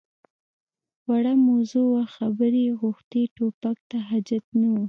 _وړه موضوع وه، خبرې يې غوښتې. ټوپک ته حاجت نه و.